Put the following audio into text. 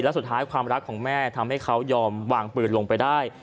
และสุดท้ายความรักของแม่ทำให้เขายอมวางปืนลงไปได้